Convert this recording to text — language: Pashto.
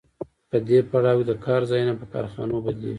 په دې پړاو کې د کار ځایونه په کارخانو بدلېږي